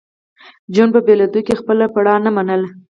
جون په بېلېدو کې خپله پړه نه منله